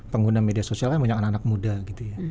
pengguna media sosialnya banyak anak anak muda gitu ya